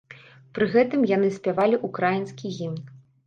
Пры гэтым яны спявалі ўкраінскі гімн.